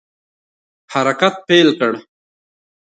حرکت پیل کړ.